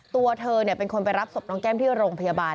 ตัวเธอเป็นคนไปรับศพน้องแก้มที่โรงพยาบาล